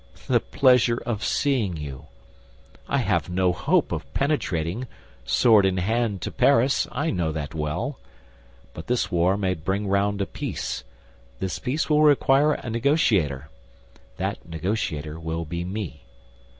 The pleasure of seeing you. I have no hope of penetrating, sword in hand, to Paris, I know that well. But this war may bring round a peace; this peace will require a negotiator; that negotiator will be me.